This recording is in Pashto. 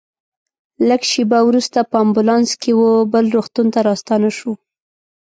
لږ شېبه وروسته په امبولانس کې وه بل روغتون ته راستانه شوو.